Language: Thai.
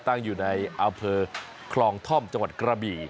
ตั้งอยู่ในอำเภอคลองท่อมจังหวัดกระบี่